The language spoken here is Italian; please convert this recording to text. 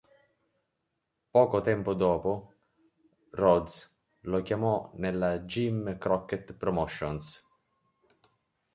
Poco tempo dopo, Rhodes lo chiamò nella Jim Crockett Promotions.